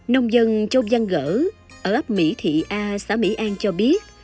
nông dân trôn văn gỡ ở ấp mỹ thị a xã mỹ an cho biết